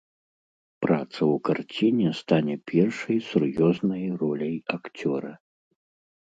Праца ў карціне стане першай сур'ёзнай роляй акцёра.